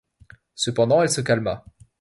Cependant, elle se calma.